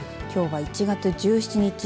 きょうは１月１７日